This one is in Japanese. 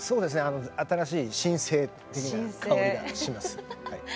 あの新しい新星的な香りがします。